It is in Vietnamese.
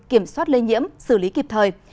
kiểm soát lây nhiễm xử lý kịp thời